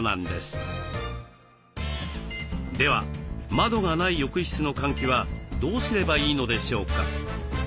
では窓がない浴室の換気はどうすればいいのでしょうか？